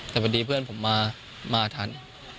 แต่พอดีเพื่อนผมมาทัน